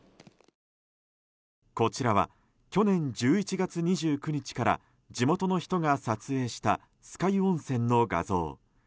こちらは、去年１１月２９日から地元の人が撮影した酸ヶ湯温泉の画像。